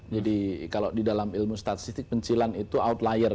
jadi kalau di dalam ilmu statistik pencilan itu outlier